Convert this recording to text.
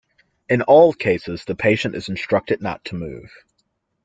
In all cases, the patient is instructed not to move.